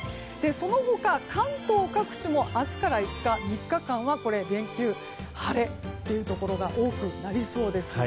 その他、関東各地も明日から５日、３日間は連休は晴れというところが多くなりそうです。